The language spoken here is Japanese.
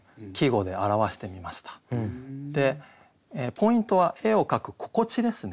ポイントは「絵を描くここち」ですね。